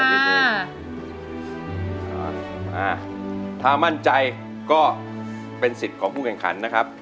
ถ้ามั่นใจก็เป็นสิทธิ์ของผู้แข่งขันนะครับ